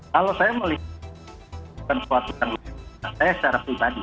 kalau saya melihatnya bukan suatu yang lebih baik saya secara pribadi